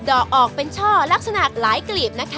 ดอกออกเป็นช่อลักษณะหลายกลีบนะคะ